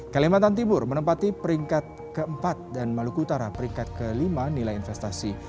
kalimantan timur menempati peringkat keempat dan maluku utara peringkat kelima nilai investasi